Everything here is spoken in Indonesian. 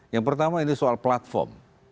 yang pertama ini soal platform